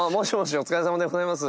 お疲れさまでございます。